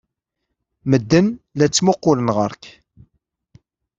Medden la ttmuqqulen ɣer-k.